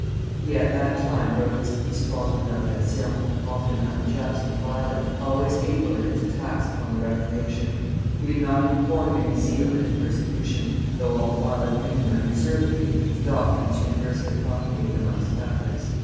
He at that time wrote his Histoire des Variations, often unjust and violent, always able in its attacks upon the Reformation; he did not import any zeal into persecution, though all the while admitting unreservedly the doctrines universally propagated amongst Catholics.